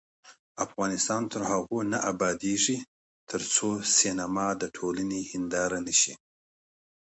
افغانستان تر هغو نه ابادیږي، ترڅو سینما د ټولنې هنداره نشي.